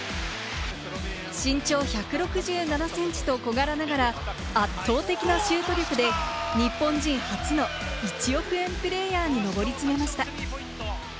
身長１６７センチと小柄ながら圧倒的なシュート力で日本人初の１億円プレーヤーにのぼりつめました。